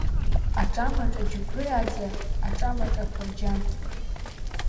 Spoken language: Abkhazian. Аҿамаҿа аџьықәреи аӡа, аҿамаҿа афырџьан!